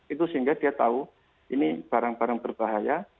itu sehingga dia tahu ini barang barang berbahaya